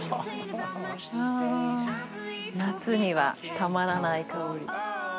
夏にはたまらない香り。